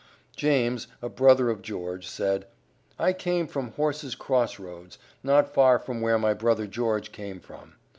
James, a brother of George, said: "I came from Horse's Cross Roads, not far from where my brother George came from.